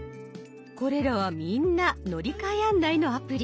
これらはみんな乗り換え案内のアプリ。